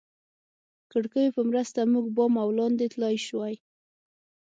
کړکیو په مرسته موږ بام او لاندې تلای شوای.